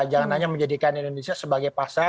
jangan hanya menjadikan indonesia sebagai pasar